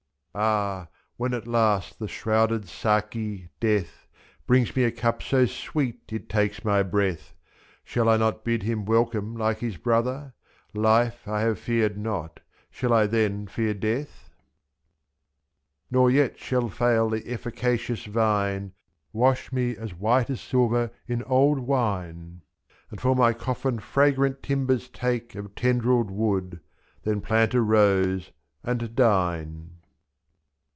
Ah, when at last the shrouded Saki, Death, Brings me a cup so sweet it takes my breath, 26'^. Shall I not bid him welcome like his brother.^ Life I have feared not, shall I then fear death ? Nor yet shall fail the efficacious Vine: Wash me as white as silver in old wine, Z^ssr. And for my coffin fragrant timbers take Of tendrilled wood — (then plant a rose, and dine!)